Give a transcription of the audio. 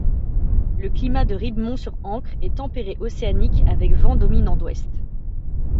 Le climat de Ribemont-sur-Ancre est tempéré océanique avec vents dominants d'ouest.